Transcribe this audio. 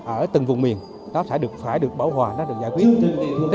ở từng vùng miền nó sẽ phải được bảo hòa nó sẽ được giải quyết